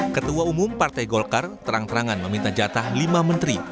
ketua umum partai golkar terang terangan meminta jatah lima menteri